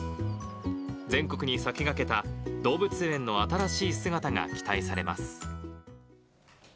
全国に先駆けた動物園の新しい姿が期待されます。